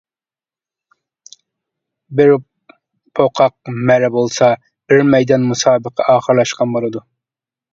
بىر پوقاق مەرە بولسا، بىر مەيدان مۇسابىقە ئاخىرلاشقان بولىدۇ.